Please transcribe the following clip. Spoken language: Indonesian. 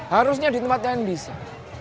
harusnya di tempatnya ini bisa